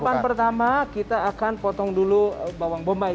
tahapan pertama kita akan potong dulu bawang bombay